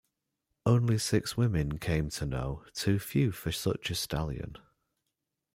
Only six women came to know, too few for such a stallion.